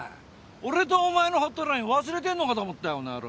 俺とお前のホットライン忘れてんのかと思ったよこの野郎！